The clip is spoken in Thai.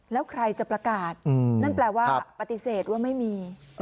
แล้วใครจะประกาศนั่นแปลว่าปฏิเสธว่าไม่มี